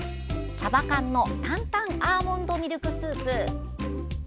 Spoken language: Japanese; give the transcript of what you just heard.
さば缶の坦々アーモンドミルクスープ。